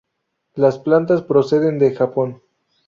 Las plantas proceden de Japón.